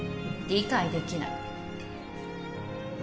理解できない。